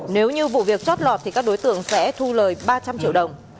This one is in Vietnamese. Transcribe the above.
nếu như vụ việc chót lọt thì các đối tượng sẽ thu lời ba trăm linh triệu đồng